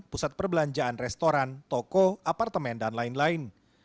pusat perbelanjaan restoran toko apartemen dan lain lain